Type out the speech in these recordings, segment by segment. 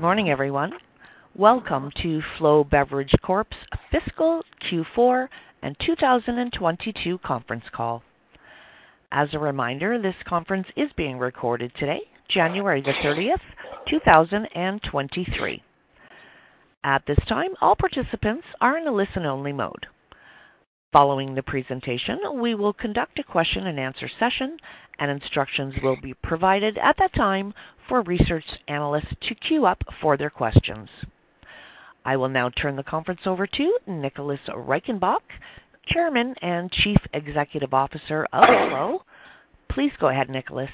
Good morning, everyone. Welcome to Flow Beverage Corp's Fiscal Q4 and 2022 conference call. As a reminder, this conference is being recorded today, January 30, 2023. At this time, all participants are in a listen-only mode. Following the presentation, we will conduct a question and answer session, and instructions will be provided at that time for research analysts to queue up for their questions. I will now turn the conference over to Nicholas Reichenbach, Chairman and Chief Executive Officer of Flow. Please go ahead, Nicholas.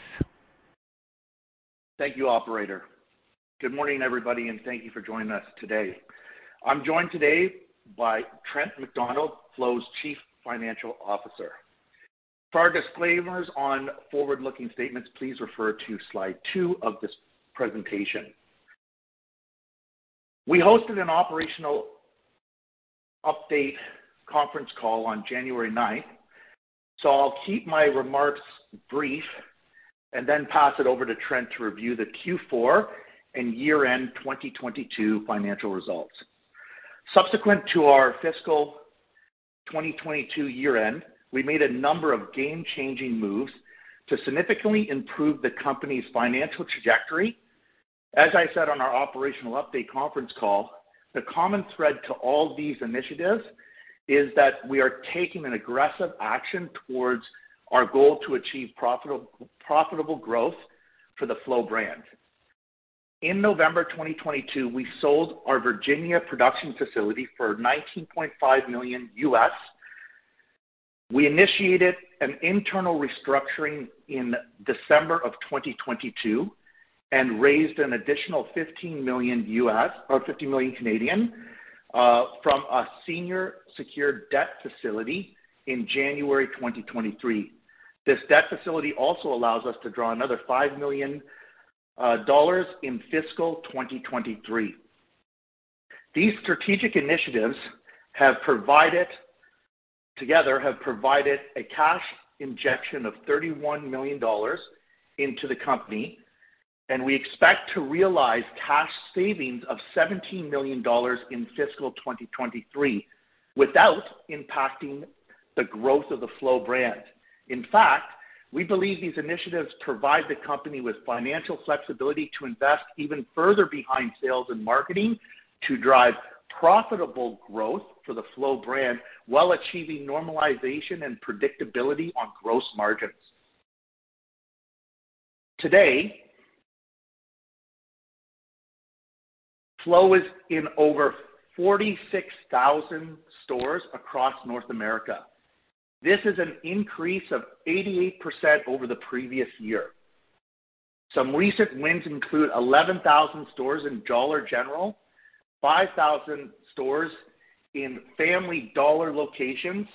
Thank you, operator. Good morning, everybody, and thank you for joining us today. I'm joined today by Trent MacDonald, Flow's Chief Financial Officer. For our disclaimers on forward-looking statements, please refer to slide 2 of this presentation. We hosted an operational update conference call on January ninth, so I'll keep my remarks brief and then pass it over to Trent to review the Q4 and year-end 2022 financial results. Subsequent to our fiscal 2022 year-end, we made a number of game-changing moves to significantly improve the company's financial trajectory. As I said on our operational update conference call, the common thread to all these initiatives is that we are taking an aggressive action towards our goal to achieve profitable growth for the Flow brand. In November 2022, we sold our Virginia production facility for $19.5 million. We initiated an internal restructuring in December 2022 and raised an additional $15 million US, or 15 million, from a senior secured debt facility in January 2023. This debt facility also allows us to draw another $5 million dollars in fiscal 2023. These strategic initiatives together have provided a cash injection of $31 million dollars into the company, and we expect to realize cash savings of $17 million dollars in fiscal 2023 without impacting the growth of the Flow brand. In fact, we believe these initiatives provide the company with financial flexibility to invest even further behind sales and marketing to drive profitable growth for the Flow brand while achieving normalization and predictability on gross margins. Today, Flow is in over 46,000 stores across North America. This is an increase of 88% over the previous year. Some recent wins include 11,000 stores in Dollar General, 5,000 stores in Family Dollar locations,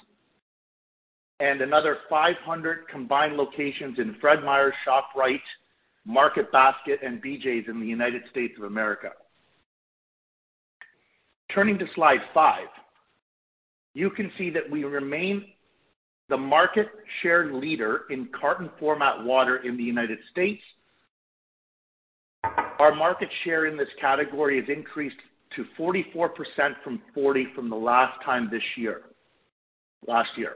and another 500 combined locations in Fred Meyers, ShopRite, Market Basket, and BJ’s in the United States of America. Turning to slide 5, you can see that we remain the market share leader in carton format water in the United States. Our market share in this category has increased to 44% from 40% last year.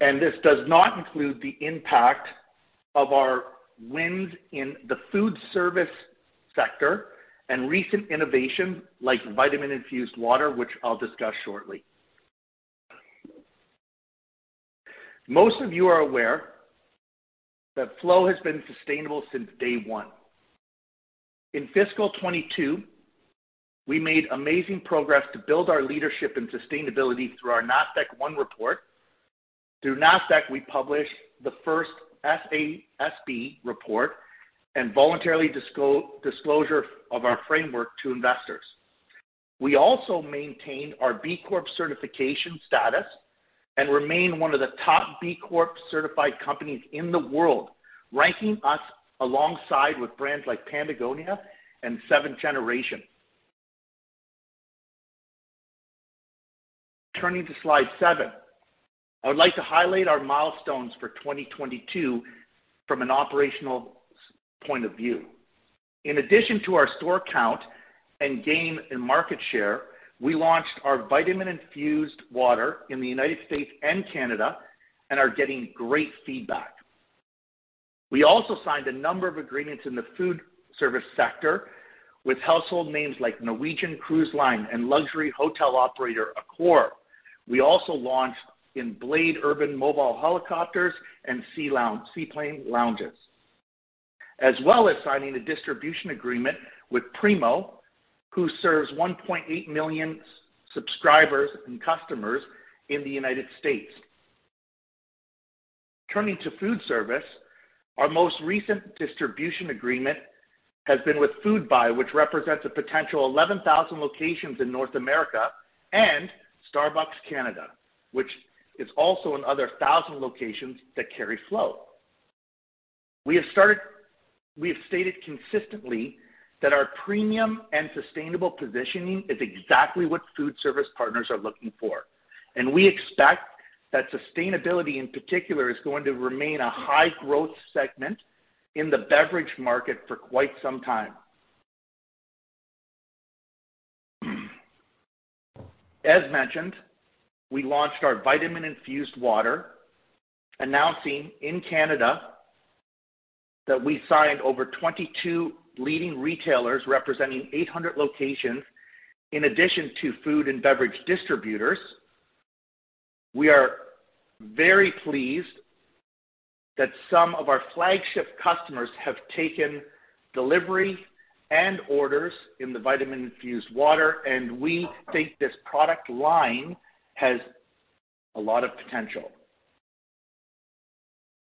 This does not include the impact of our wins in the food service sector and recent innovation like vitamin infused water, which I’ll discuss shortly. Most of you are aware that Flow has been sustainable since day one. In fiscal 2022, we made amazing progress to build our leadership and sustainability through our Nasdaq OneReport. Through Nasdaq, we published the first SASB report and voluntarily disclosure of our framework to investors. We also maintained our B Corp certification status and remain one of the top B Corp certified companies in the world, ranking us alongside with brands like Patagonia and Seventh Generation. Turning to slide 7, I would like to highlight our milestones for 2022 from an operational point of view. In addition to our store count and gain in market share, we launched our vitamin-infused water in the United States and Canada and are getting great feedback. We also signed a number of agreements in the food service sector with household names like Norwegian Cruise Line and luxury hotel operator Accor. We also launched in Blade Air Mobility Helicopters and Seaplane Lounges, as well as signing a distribution agreement with Primo, who serves 1.8 million subscribers and customers in the United States. Turning to food service, our most recent distribution agreement has been with Foodbuy, which represents a potential 11,000 locations in North America, and Starbucks Canada, which is also another 1,000 locations that carry Flow. We have stated consistently that our premium and sustainable positioning is exactly what food service partners are looking for, and we expect that sustainability in particular is going to remain a high growth segment in the beverage market for quite some time. As mentioned, we launched our vitamin infused water, announcing in Canada that we signed over 22 leading retailers representing 800 locations in addition to food and beverage distributors. We are very pleased that some of our flagship customers have taken delivery and orders in the Vitamin-Infused Water, and we think this product line has a lot of potential.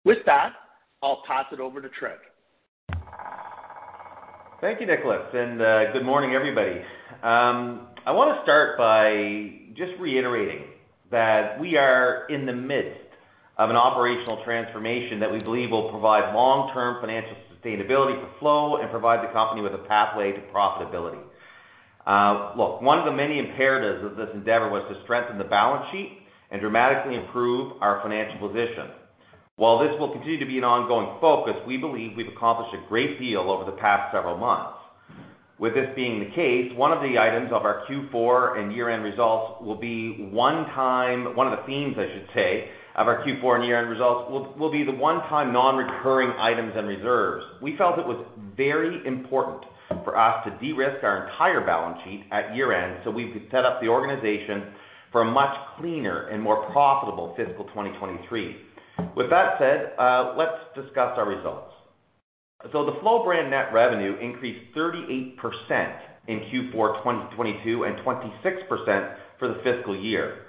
With that, I'll pass it over to Trent. Thank you, Nicholas, and good morning, everybody. I want to start by just reiterating that we are in the midst of an operational transformation that we believe will provide long-term financial sustainability for Flow and provide the company with a pathway to profitability. Look, one of the many imperatives of this endeavor was to strengthen the balance sheet and dramatically improve our financial position. While this will continue to be an ongoing focus, we believe we've accomplished a great deal over the past several months. With this being the case, one of the themes, I should say, of our Q4 and year-end results will be the one-time non-recurring items and reserves. We felt it was very important for us to de-risk our entire balance sheet at year-end so we could set up the organization for a much cleaner and more profitable fiscal 2023. With that said, let's discuss our results. The Flow brand net revenue increased 38% in Q4 2022 and 26% for the fiscal year.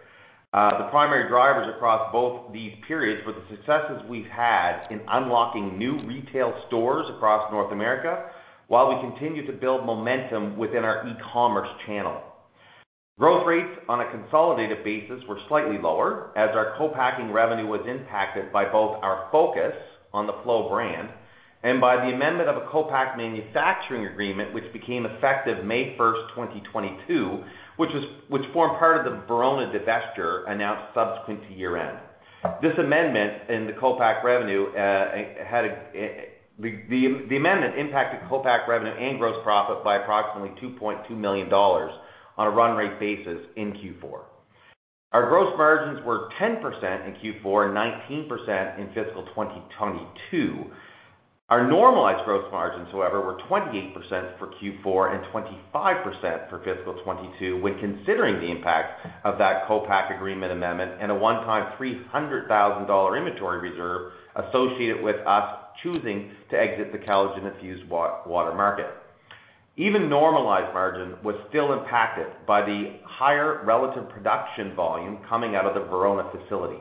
The primary drivers across both these periods were the successes we've had in unlocking new retail stores across North America while we continue to build momentum within our e-commerce channel. Growth rates on a consolidated basis were slightly lower as our co-packing revenue was impacted by both our focus on the Flow brand and by the amendment of a co-pack manufacturing agreement, which became effective May 1, 2022, which formed part of the Verona divestiture announced subsequent to year-end. This amendment in the co-pack revenue had a—the amendment impacted co-pack revenue and gross profit by approximately $2.2 million on a run rate basis in Q4. Our gross margins were 10% in Q4 and 19% in fiscal 2022. Our normalized gross margins, however, were 28% for Q4 and 25% for fiscal 2022 when considering the impact of that co-pack agreement amendment and a one-time $300,000 inventory reserve associated with us choosing to exit the collagen-infused water market. Even normalized margin was still impacted by the higher relative production volume coming out of the Verona facility.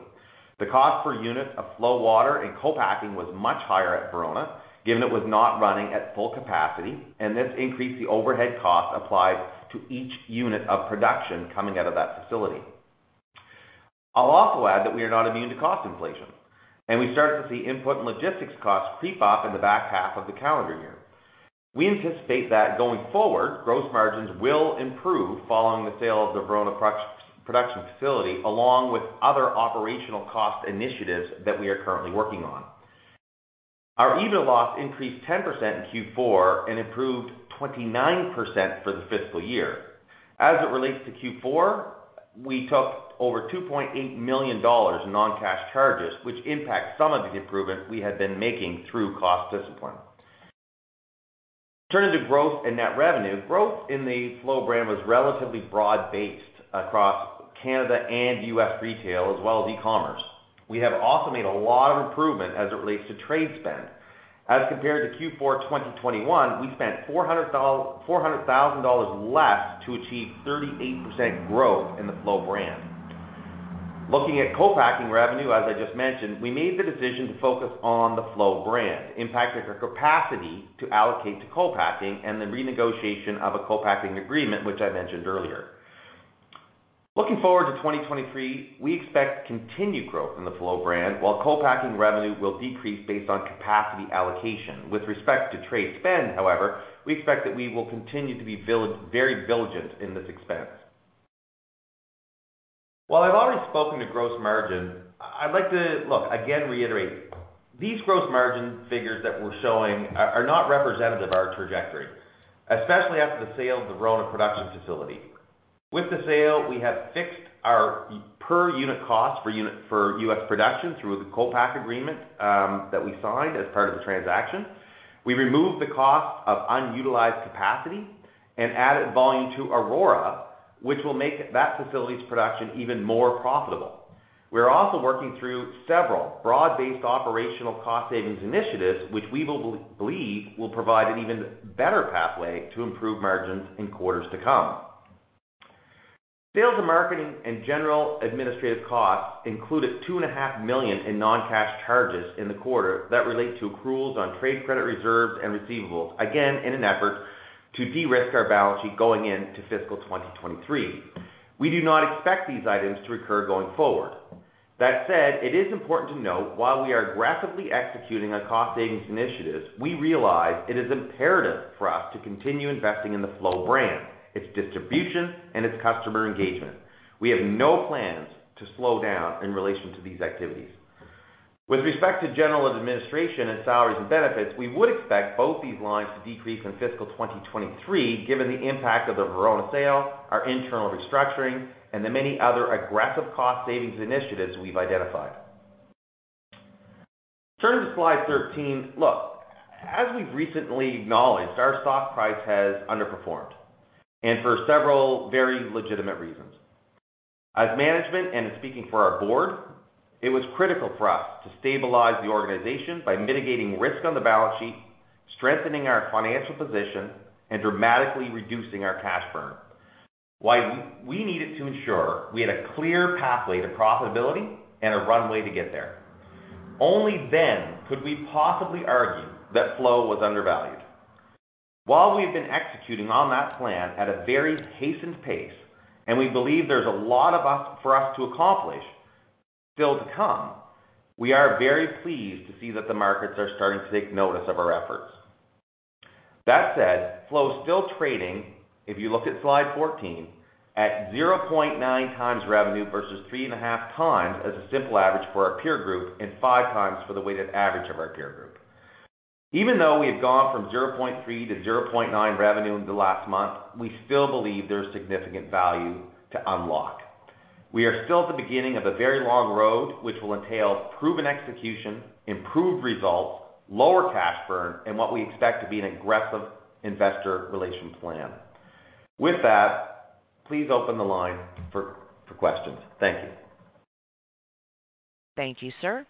The cost per unit of Flow water and co-packing was much higher at Verona, given it was not running at full capacity, and this increased the overhead cost applied to each unit of production coming out of that facility. I'll also add that we are not immune to cost inflation, and we started to see input and logistics costs creep up in the back 1/2 of the calendar year. We anticipate that going forward, gross margins will improve following the sale of the Virginia production facility, along with other operational cost initiatives that we are currently working on. Our EBITDA loss increased 10% in Q4 and improved 29% for the fiscal year. As it relates to Q4, we took over $2.8 million in non-cash charges, which impact some of the improvements we had been making through cost discipline. Turning to growth in net revenue. Growth in the Flow brand was relatively broad-based across Canada and U.S. retail, as well as e-commerce. We have also made a lot of improvement as it relates to trade spend. As compared to Q4 2021, we spent 400,000 dollars less to achieve 38% growth in the Flow brand. Looking at co-packing revenue, as I just mentioned, we made the decision to focus on the Flow brand, which impacted our capacity to allocate to co-packing and the renegotiation of a co-packing agreement, which I mentioned earlier. Looking forward to 2023, we expect continued growth in the Flow brand while co-packing revenue will decrease based on capacity allocation. With respect to trade spend, however, we expect that we will continue to be very diligent in this expense. While I've already spoken to gross margin, I'd like to again reiterate these gross margin figures that we're showing are not representative of our trajectory, especially after the sale of the Virginia production facility. With the sale, we have fixed our per unit cost for U.S. production through the co-pack agreement that we signed as part of the transaction. We removed the cost of unutilized capacity and added volume to Aurora, which will make that facility's production even more profitable. We are also working through several broad-based operational cost savings initiatives, which we believe will provide an even better pathway to improve margins in 1/4s to come. Sales and marketing and general administrative costs included 2.5 million in non-cash charges in the 1/4 that relate to accruals on trade credit reserves and receivables, again, in an effort to de-risk our balance sheet going into fiscal 2023. We do not expect these items to recur going forward. That said, it is important to note while we are aggressively executing on cost savings initiatives, we realize it is imperative for us to continue investing in the Flow brand, its distribution, and its customer engagement. We have no plans to slow down in relation to these activities. With respect to general administration and salaries and benefits, we would expect both these lines to decrease in fiscal 2023, given the impact of the Verona sale, our internal restructuring and the many other aggressive cost savings initiatives we've identified. Turning to slide 13. Look, as we've recently acknowledged, our stock price has underperformed and for several very legitimate reasons. As management and in speaking for our board, it was critical for us to stabilize the organization by mitigating risk on the balance sheet, strengthening our financial position, and dramatically reducing our cash burn while we needed to ensure we had a clear pathway to profitability and a runway to get there. Only then could we possibly argue that Flow was undervalued. While we've been executing on that plan at a very hastened pace, and we believe there's a lot for us to accomplish still to come, we are very pleased to see that the markets are starting to take notice of our efforts. That said, Flow is still trading, if you look at slide 14, at 0.9x revenue versus 3.5x as a simple average for our peer group and 5x for the weighted average of our peer group. Even though we have gone from 0.3-0.9 revenue in the last month, we still believe there's significant value to unlock. We are still at the beginning of a very long road, which will entail proven execution, improved results, lower cash burn, and what we expect to be an aggressive investor relations plan. With that, please open the line for questions. Thank you. Thank you, sir.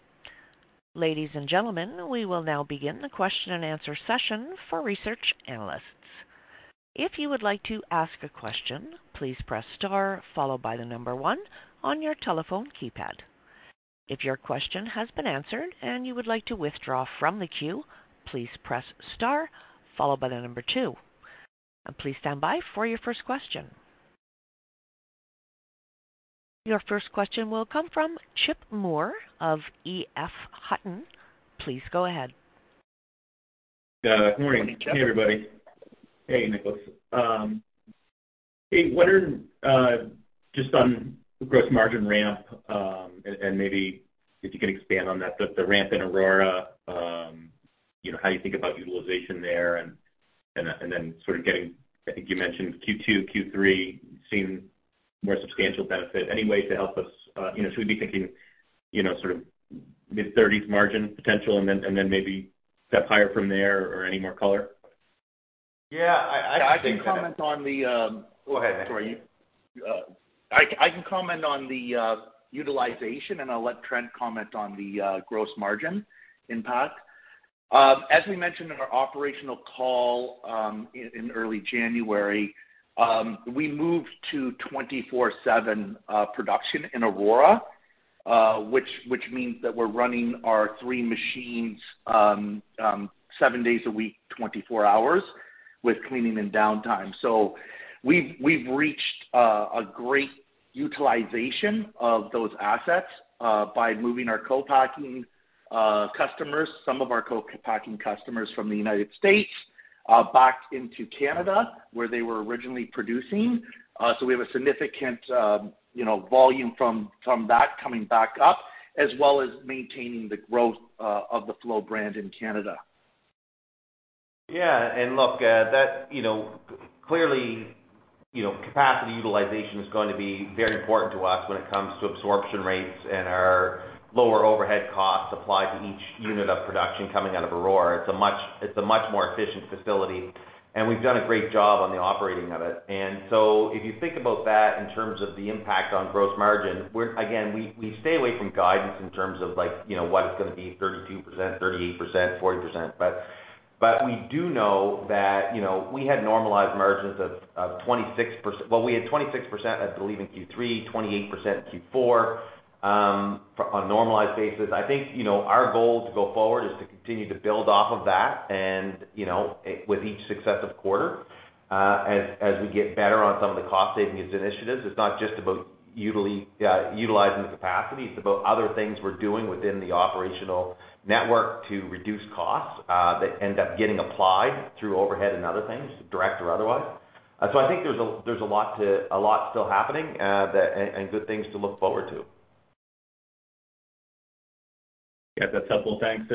Ladies and gentlemen, we will now begin the question-and-answer session for research analysts. If you would like to ask a question, please press star followed by the number one on your telephone keypad. If your question has been answered and you would like to withdraw from the queue, please press star followed by the number 2. Please stand by for your first question. Your first question will come from Chip Moore of EF Hutton. Please go ahead. Yeah. Good morning. Good morning, Chip. Hey, everybody. Hey, Nicholas. Hey, what are just on the gross margin ramp, and maybe if you could expand on that, the ramp in Aurora, you know, how you think about utilization there and then sort of getting, I think you mentioned Q2, Q3, seeing more substantial benefit. Any ways to help us, you know, should we be thinking, you know, sort of mid-30s% margin potential and then maybe step higher from there or any more color? Yeah, I-I- I can comment on the. Go ahead. Sorry. I can comment on the utilization, and I'll let Trent comment on the gross margin impact. As we mentioned in our operational call, in early January, we moved to 24/7 production in Aurora, which means that we're running our 3 machines seven days a week, 24 hours with cleaning and downtime. We've reached a great utilization of those assets by moving some of our co-packing customers from the United States back into Canada where they were originally producing. We have a significant, you know, volume from that coming back up, as well as maintaining the growth of the Flow brand in Canada. Yeah. Look, that, you know, clearly, you know, capacity utilization is going to be very important to us when it comes to absorption rates and our lower overhead costs applied to each unit of production coming out of Aurora. It's a much more efficient facility, and we've done a great job on the operating of it. If you think about that in terms of the impact on gross margin, we stay away from guidance in terms of like, you know, what it's gonna be 32%, 38%, 40%. We do know that, you know, we had normalized margins of 26%. Well, we had 26%, I believe in Q3, 28% in Q4, on normalized basis. I think, you know, our goal to go forward is to continue to build off of that. You know, with each successive 1/4, as we get better on some of the cost savings initiatives, it's not just about utilizing the capacity, it's about other things we're doing within the operational network to reduce costs that end up getting applied through overhead and other things, direct or otherwise. I think there's a lot still happening, and good things to look forward to. Yeah. That's helpful. Thanks.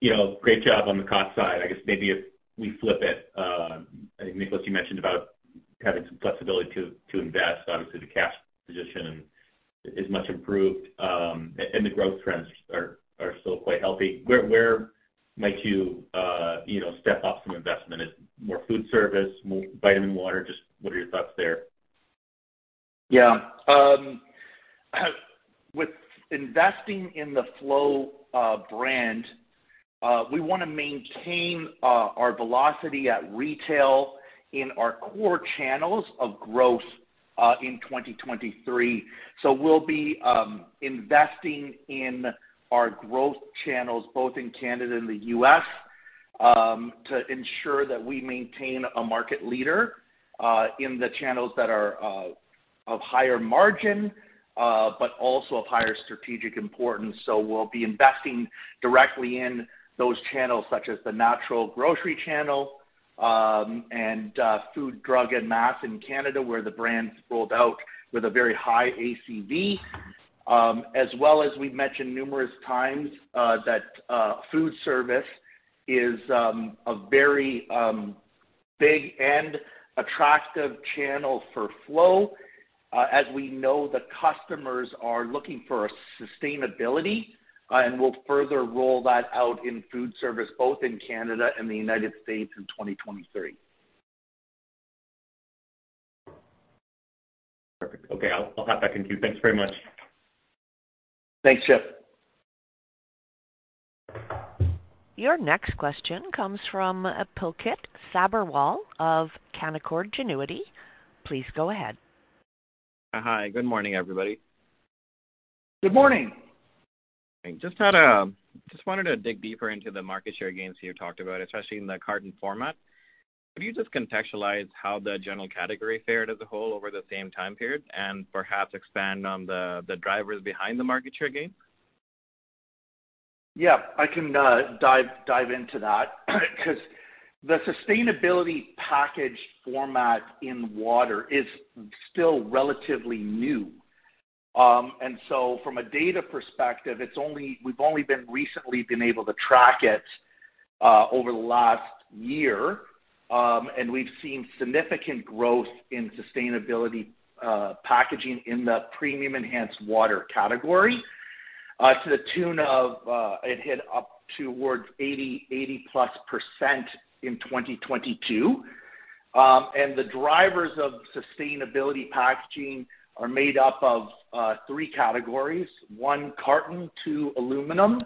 You know, great job on the cost side. I guess maybe if we flip it, Nicholas, you mentioned about having some flexibility to invest. Obviously, the cash position is much improved, and the growth trends are still quite healthy. Where might you know, step up some investment? Is it more food service, more vitamin water? Just what are your thoughts there? With investing in the Flow brand, we wanna maintain our velocity at retail in our core channels of growth in 2023. We'll be investing in our growth channels both in Canada and the U.S. to ensure that we maintain a market leader in the channels that are of higher margin but also of higher strategic importance. We'll be investing directly in those channels such as the natural grocery channel and food, drug and mass in Canada, where the brand's rolled out with a very high ACV. As well as we've mentioned numerous times that food service is a very big and attractive channel for Flow. As we know, the customers are looking for a sustainability, and we'll further roll that out in food service both in Canada and the United States in 2023. Perfect. Okay, I'll hop back in queue. Thanks very much. Thanks, Chip. Your next question comes from Pulkit Sabharwal of Canaccord Genuity. Please go ahead. Hi. Good morning, everybody. Good morning. Just wanted to dig deeper into the market share gains you talked about, especially in the carton format. Could you just contextualize how the general category fared as a whole over the same time period, and perhaps expand on the drivers behind the market share gain? Yeah, I can dive into that because the sustainability packaging format in water is still relatively new. From a data perspective, we've only been recently able to track it over the last year. We've seen significant growth in sustainability packaging in the premium enhanced water category to the tune of it hit up towards 80%+ in 2022. The drivers of sustainability packaging are made up of 3 categories. 1, carton, 2, aluminum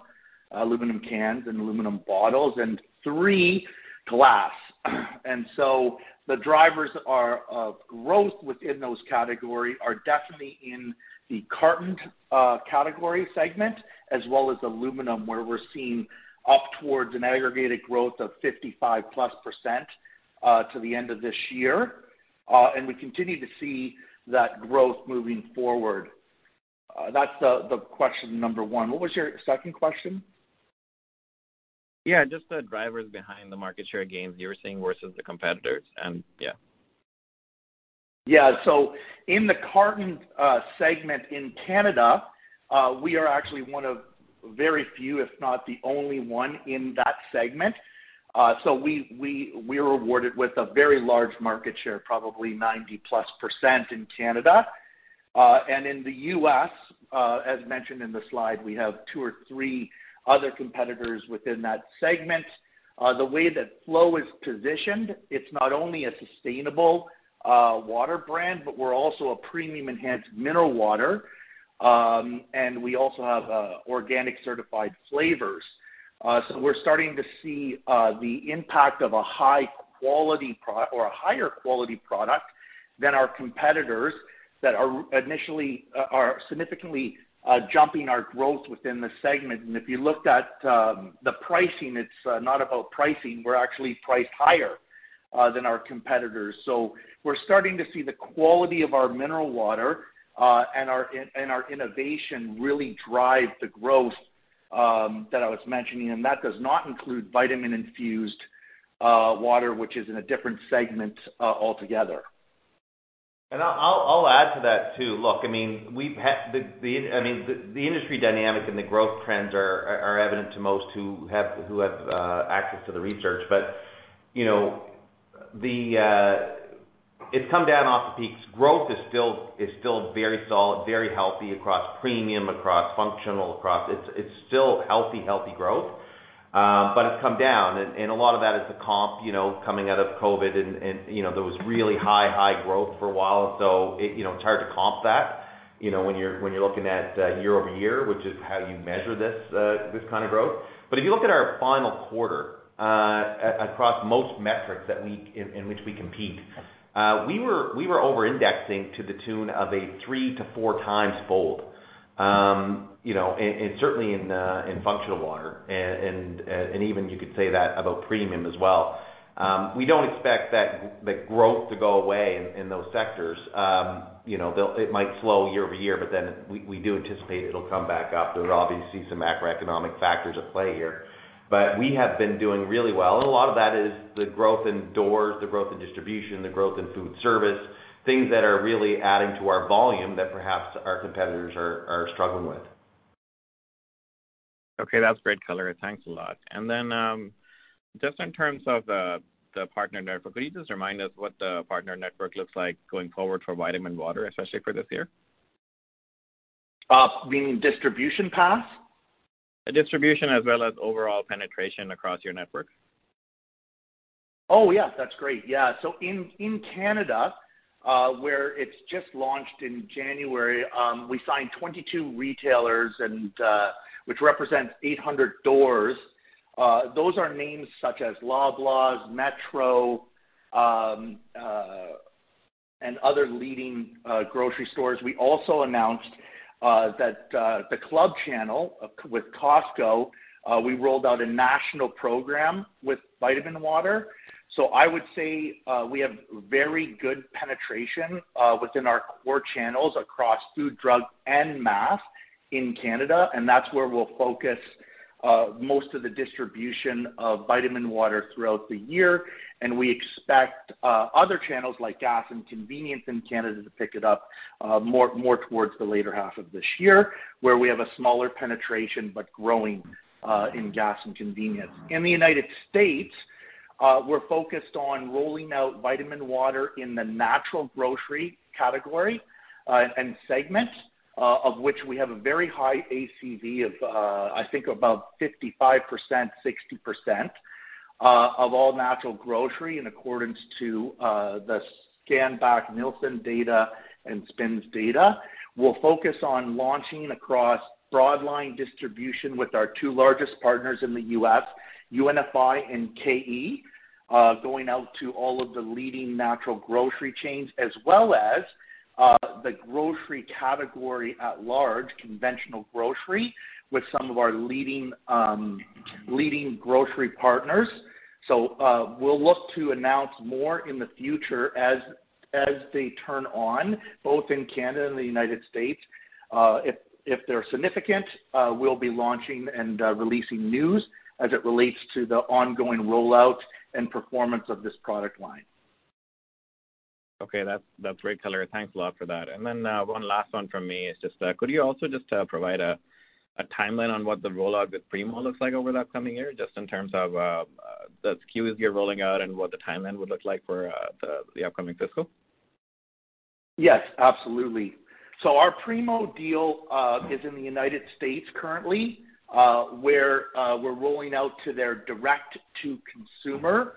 cans and aluminum bottles, and 3, glass. The drivers of growth within those categories are definitely in the carton category segment as well as aluminum, where we're seeing up towards an aggregated growth of 55%+ to the end of this year. We continue to see that growth moving forward. That's the question number one. What was your second question? Yeah, just the drivers behind the market share gains you were seeing versus the competitors, yeah. Yeah. In the carton segment in Canada, we are actually one of very few, if not the only one in that segment. We're awarded with a very large market share, probably 90%+ in Canada. In the U.S., as mentioned in the slide, we have 2 or 3 other competitors within that segment. The way that Flow is positioned, it's not only a sustainable water brand, but we're also a premium enhanced mineral water. We also have organic certified flavors. We're starting to see the impact of a higher quality product than our competitors that are significantly jumping our growth within the segment. If you looked at the pricing, it's not about pricing. We're actually priced higher than our competitors. We're starting to see the quality of our mineral water and our innovation really drive the growth that I was mentioning. That does not include vitamin infused water, which is in a different segment altogether. I'll add to that too. Look, I mean, we've had I mean, the industry dynamics and the growth trends are evident to most who have access to the research. You know, it's come down off the peaks. Growth is still very solid, very healthy across premium, across functional. It's still healthy growth, but it's come down. A lot of that is the comp, you know, coming out of COVID. You know, there was really high growth for a while. You know, it's hard to comp that, you know, when you're looking at Year-Over-Year, which is how you measure this kind of growth. If you look at our final 1/4, across most metrics in which we compete, we were over-indexing to the tune of a 3- to 4-fold. You know, certainly in functional water and even you could say that about premium as well. We don't expect the growth to go away in those sectors. You know, it might slow Year-Over-Year, but then we do anticipate it'll come back up. There's obviously some macroeconomic factors at play here. We have been doing really well, and a lot of that is the growth in doors, the growth in distribution, the growth in food service, things that are really adding to our volume that perhaps our competitors are struggling with. Okay, that's great color. Thanks a lot. Just in terms of the partner network, can you just remind us what the partner network looks like going forward for Vitamin water, especially for this year? You mean distribution path? Distribution as well as overall penetration across your network. Oh, yeah. That's great. Yeah. So in Canada, where it's just launched in January, we signed 22 retailers and which represents 800 doors. Those are names such as Loblaws, Metro, and other leading grocery stores. We also announced that the club channel with Costco we rolled out a national program with Vitaminwater. So I would say we have very good penetration within our core channels across food, drug, and mass in Canada, and that's where we'll focus most of the distribution of Vitaminwater throughout the year. We expect other channels like gas and convenience in Canada to pick it up more towards the later 1/2 of this year, where we have a smaller penetration, but growing in gas and convenience. In the United States, we're focused on rolling out Vitaminwater in the natural grocery category and segment of which we have a very high ACV of I think about 55%-60% of all natural grocery in accordance to the Scantrack Nielsen data and SPINS data. We'll focus on launching across broad line distribution with our 2 largest partners in the U.S., UNFI and KeHE, going out to all of the leading natural grocery chains, as well as the grocery category at large, conventional grocery, with some of our leading grocery partners. We'll look to announce more in the future as they turn on both in Canada and the United States. If they're significant, we'll be launching and releasing news as it relates to the ongoing rollout and performance of this product line. Okay. That's great, Keller. Thanks a lot for that. One last one from me is just could you also just provide a timeline on what the rollout with Primo looks like over that coming year, just in terms of the SKUs you're rolling out and what the timeline would look like for the upcoming fiscal? Yes, absolutely. Our Primo deal is in the United States currently, where we're rolling out to their direct-to-consumer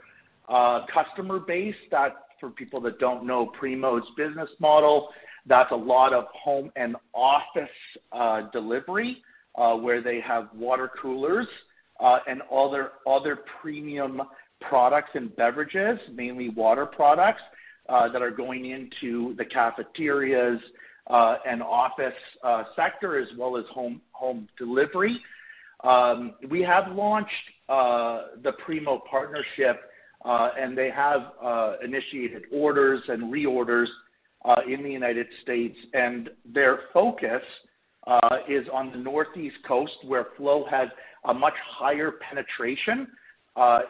customer base. That for people that don't know Primo's business model, that's a lot of home and office delivery, where they have water coolers and other premium products and beverages, mainly water products, that are going into the cafeterias and office sector, as well as home delivery. We have launched the Primo partnership, and they have initiated orders and reorders in the United States. Their focus is on the northeast coast, where Flow has a much higher penetration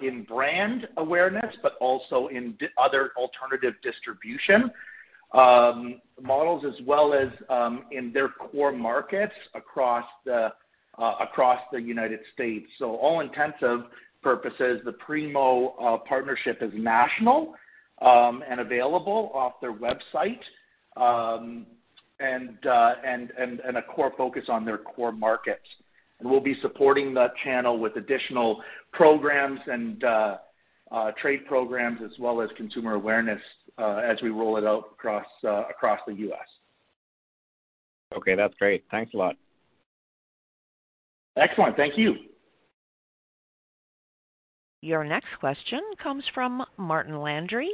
in brand awareness, but also in other alternative distribution models, as well as in their core markets across the United States. For all intents and purposes, the Primo partnership is national and available off their website and a core focus on their core markets. We'll be supporting that channel with additional programs and trade programs as well as consumer awareness as we roll it out across the U.S. Okay. That's great. Thanks a lot. Excellent. Thank you. Your next question comes from Martin Landry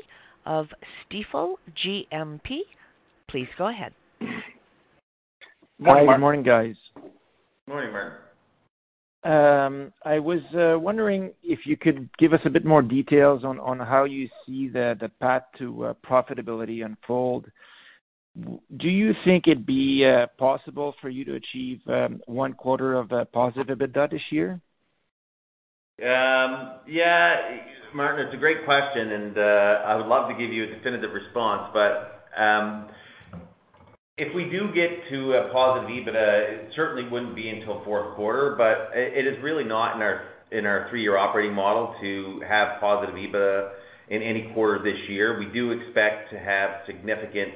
of Stifel GMP. Please go ahead. Hi, Martin. Good morning, guys. Morning, Martin. I was wondering if you could give us a bit more details on how you see the path to profitability unfold? Do you think it'd be possible for you to achieve one 1/4 of the positive EBITDA this year? Yeah. Martin, it's a great question, and I would love to give you a definitive response, but if we do get to a positive EBITDA, it certainly wouldn't be until fourth 1/4, but it is really not in our 3-year operating model to have positive EBITDA in any 1/4 this year. We do expect to have significant,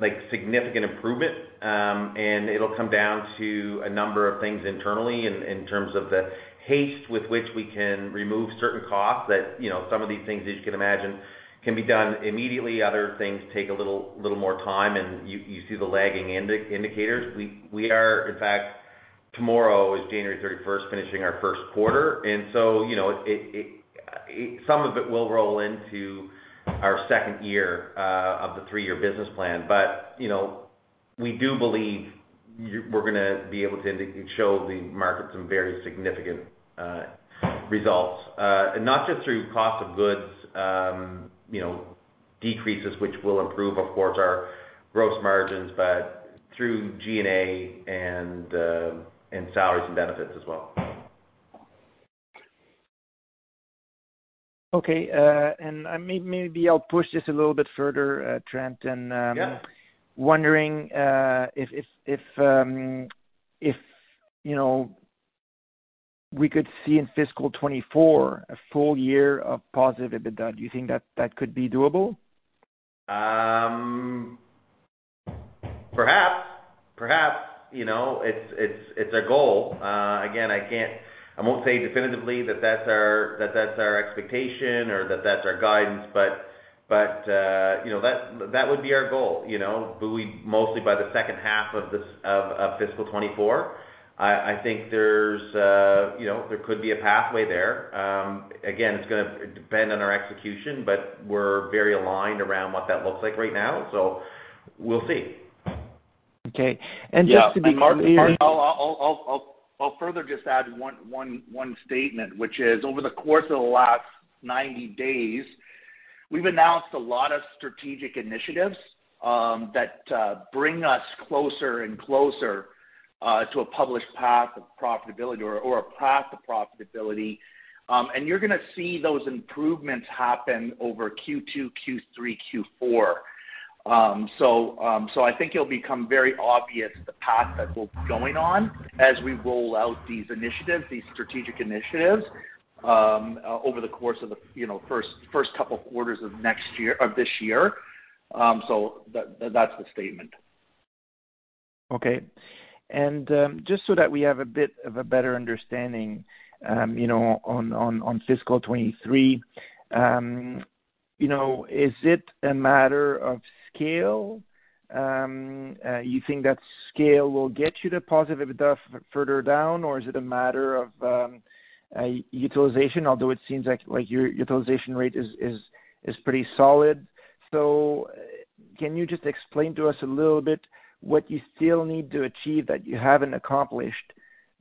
like, significant improvement, and it'll come down to a number of things internally in terms of the haste with which we can remove certain costs that, you know, some of these things, as you can imagine, can be done immediately. Other things take a little more time, and you see the lagging indicators. In fact, tomorrow is January thirty-first, finishing our first 1/4. You know, some of it will roll into our second year of the 3-year business plan. You know, we do believe we're gonna be able to indicate and show the market some very significant results and not just through cost of goods decreases, which will improve, of course, our gross margins, but through G&A and salaries and benefits as well. Okay. I maybe I'll push this a little bit further, Trent. Yeah. Wondering if you know we could see in fiscal 2024 a full year of positive EBITDA. Do you think that could be doable? Perhaps. You know, it's a goal. Again, I won't say definitively that's our expectation or that's our guidance, but you know, that would be our goal, you know. Mostly by the second 1/2 of this fiscal 2024, I think there's you know, there could be a pathway there. Again, it's gonna depend on our execution, but we're very aligned around what that looks like right now, so we'll see. Okay. Just to be clear. Yeah. Martin, I'll further just add one statement, which is over the course of the last 90 days, we've announced a lot of strategic initiatives that bring us closer and closer to a published path of profitability or a path to profitability. You're gonna see those improvements happen over Q2, Q3, Q4. I think it'll become very obvious the path that we're going on as we roll out these initiatives, these strategic initiatives, over the course of the, you know, first couple 1/4s of this year. That's the statement. Okay. Just so that we have a bit of a better understanding, you know, on fiscal 2023, you know, is it a matter of scale? You think that scale will get you to positive EBITDA further down, or is it a matter of utilization? Although it seems like your utilization rate is pretty solid. Can you just explain to us a little bit what you still need to achieve that you haven't accomplished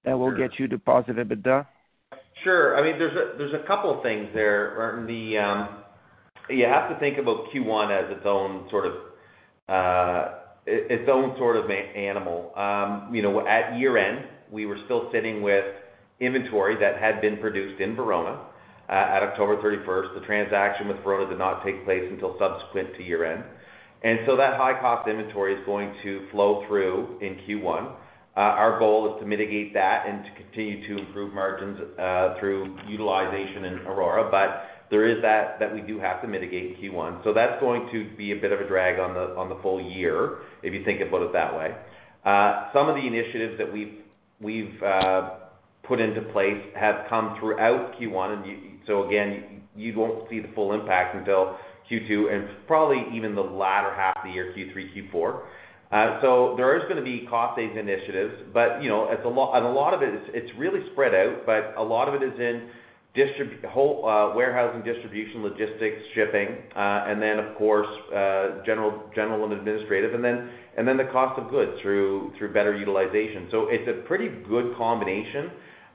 that will get you to positive EBITDA? Sure. I mean, there's a couple things there, Martin. You have to think about Q1 as its own sort of animal. You know, at year-end, we were still sitting with inventory that had been produced in Virginia at October 31. The transaction with Virginia did not take place until subsequent to year-end. That high-cost inventory is going to flow through in Q1. Our goal is to mitigate that and to continue to improve margins through utilization in Aurora. There is that we do have to mitigate in Q1. That's going to be a bit of a drag on the full year, if you think about it that way. Some of the initiatives that we've put into place have come throughout Q1. You won't see the full impact until Q2 and probably even the latter 1/2 of the year, Q3, Q4. So there is gonna be cost-based initiatives. But you know, and a lot of it's really spread out, but a lot of it is in distribution, wholesale, warehouse and distribution, logistics, shipping, and then, of course, general and administrative, and then the cost of goods through better utilization. It's a pretty good combination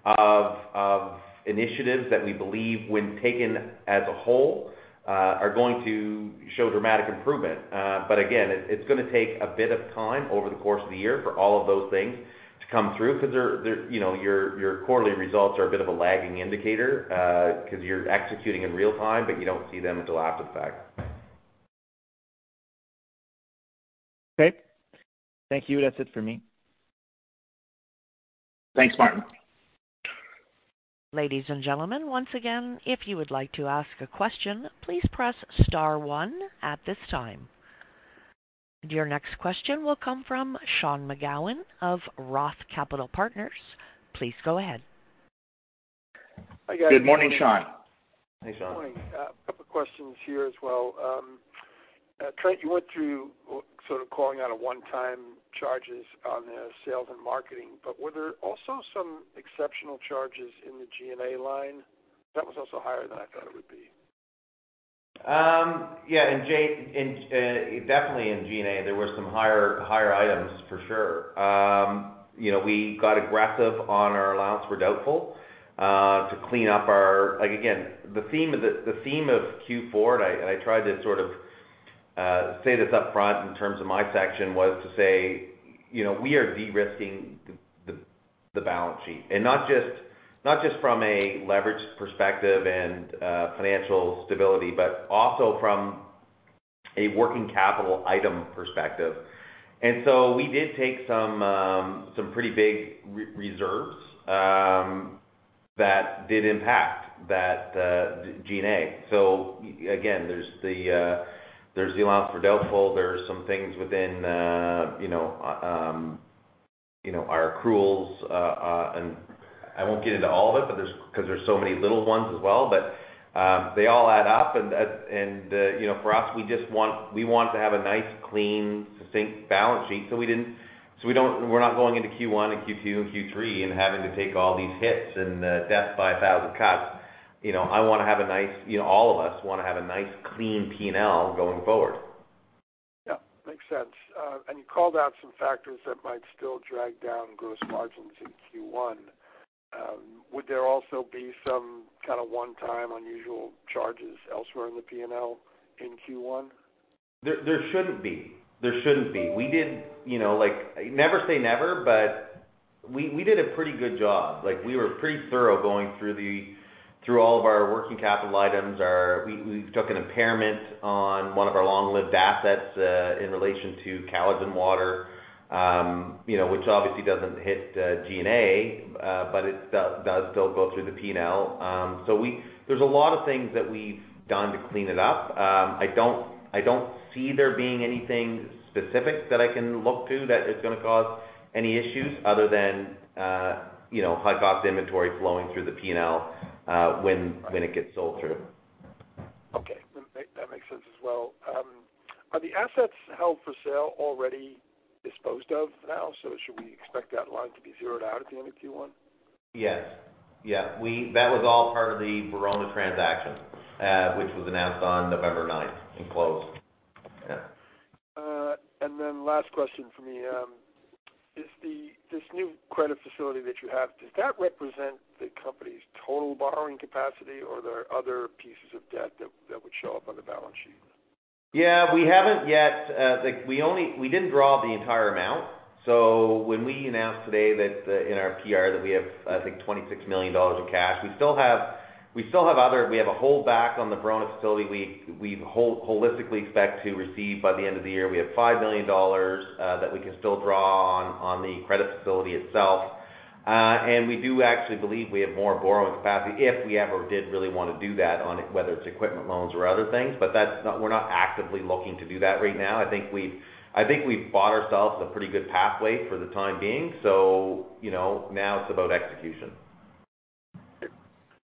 of initiatives that we believe when taken as a whole are going to show dramatic improvement. Again, it's gonna take a bit of time over the course of the year for all of those things to come through because they're, you know, your 1/4ly results are a bit of a lagging indicator, 'cause you're executing in real time, but you don't see them until after the fact. Okay. Thank you. That's it for me. Thanks, Martin. Ladies and gentlemen, once again, if you would like to ask a question, please press star one at this time. Your next question will come from Sean McGowan of Roth Capital Partners. Please go ahead. Good morning, Sean. Hey, Sean. Morning. A couple questions here as well. Trent, you went through sort of calling out a one-time charges on the sales and marketing, but were there also some exceptional charges in the G&A line? That was also higher than I thought it would be. Yeah. In G&A, there were some higher items, for sure. You know, we got aggressive on our allowance for doubtful to clean up our. Like, again, the theme of Q4, and I tried to sort of say this up front in terms of my section, was to say, you know, we are de-risking the balance sheet. Not just from a leverage perspective and financial stability, but also from a working capital item perspective. We did take some pretty big reserves that did impact that G&A. Again, there's the allowance for doubtful. There are some things within, you know, our accruals. I won't get into all of it, but because there's so many little ones as well. They all add up and that. You know, for us, we want to have a nice, clean, succinct balance sheet. We didn't, so we're not going into Q1 and Q2 and Q3 and having to take all these hits and death by a thousand cuts. You know, I wanna have a nice, all of us wanna have a nice, clean P&L going forward. Yeah. Makes sense. You called out some factors that might still drag down gross margins in Q1. Would there also be some kinda one-time unusual charges elsewhere in the P&L in Q1? There shouldn't be. We did, you know, like, never say never, but we did a pretty good job. Like, we were pretty thorough going through all of our working capital items. We took an impairment on one of our long-lived assets in relation to Caledon Water, you know, which obviously doesn't hit G&A, but it does still go through the P&L. There's a lot of things that we've done to clean it up. I don't see there being anything specific that I can look to that is gonna cause any issues other than, you know, high-cost inventory flowing through the P&L when it gets sold through. Okay. That makes sense as well. Are the assets held for sale already disposed of now? Should we expect that line to be zeroed out at the end of Q1? Yes. Yeah. That was all part of the Virginia transaction, which was announced on November ninth and closed. Yeah. Last question for me. Is this new credit facility that you have, does that represent the company's total borrowing capacity, or are there other pieces of debt that would show up on the balance sheet? Yeah. We haven't yet. We didn't draw the entire amount. When we announced today that, in our PR that we have, I think, $26 million in cash, we still have. We have a holdback on the Virginia facility we holistically expect to receive by the end of the year. We have $5 million that we can still draw on the credit facility itself. We do actually believe we have more borrowing capacity if we ever did really wanna do that on it, whether it's equipment loans or other things. That's not. We're not actively looking to do that right now. I think we've bought ourselves a pretty good pathway for the time being. You know, now it's about execution.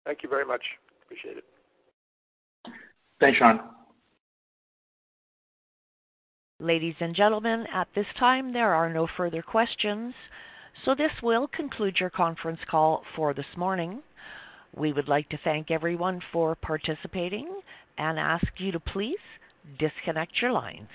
Thank you very much. Appreciate it. Thanks, Sean. Ladies and gentlemen, at this time, there are no further questions. This will conclude your conference call for this morning. We would like to thank everyone for participating and ask you to please disconnect your lines.